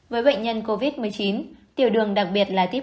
với bệnh nhân covid một mươi chín tiểu đường đặc biệt là tiếp